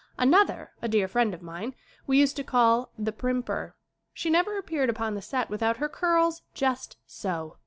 Another, a dear friend of mine, we used to call "The Primper." She never appeared upon the set without her curls just so.